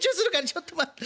ちょっと待って」。